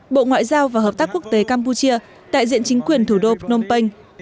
bộ ngoại giao và hợp tác quốc tế campuchia đại diện chính quyền thủ đô phnom penh